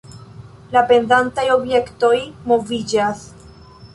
La pendantaj objektoj moviĝas.